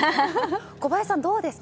小林さん、どうですか？